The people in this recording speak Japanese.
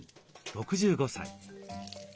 ６５歳。